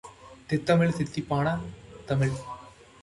தீந்தமிழ் தித்திப்பான தமிழ்.